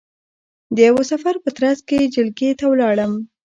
د یوه سفر په ترځ کې جلگې ته ولاړم،